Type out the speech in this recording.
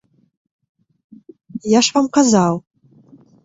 Я ж вам казаў.